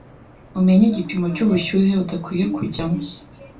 umenye igipimo cy’ubushyuhe udakwiye kujyamo.